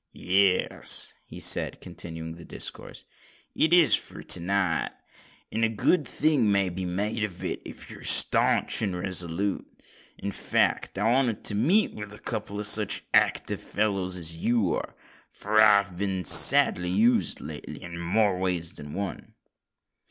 "Yes," he said, continuing the discourse: "it is for to night—and a good thing may be made of it, if you're staunch and resolute. In fact, I wanted to meet with a couple of such active fellows as you are, for I have been sadly used lately—in more ways than one."